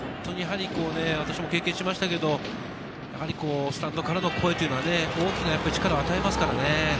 私も経験しましたけど、やはりスタンドからの声は大きな力を与えますからね。